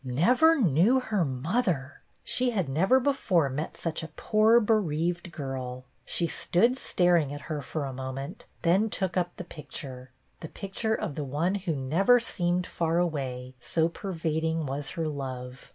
Never knew her mother! She had never before met such a poor bereaved girl. She stood staring at her for a moment, then took up the picture, — the picture of the one who never seemed far away, so pervading was her love.